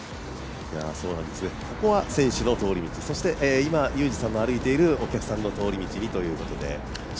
ここは選手の通り道、そして、今、ユージさんの歩いているお客さんの通り道にということで。